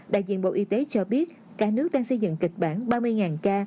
đại diện bộ y tế cho biết cả nước đang xây dựng kịch bản ba mươi ca